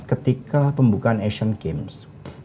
ketika pembukaan asian games